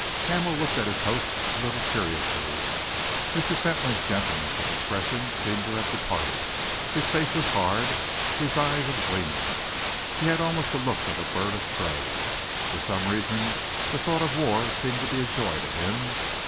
Hamel looked at his host a little curiously. Mr. Fentolin's gentleness of expression seemed to have departed. His face was hard, his eyes agleam. He had almost the look of a bird of prey. For some reason, the thought of war seemed to be a joy to him.